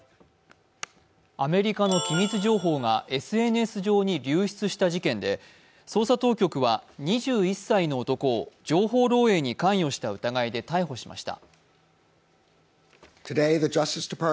アメリカの機密情報がＳＮＳ上に流出した事件で捜査当局は２１歳の男を情報漏えいに関与した疑いで逮捕しました。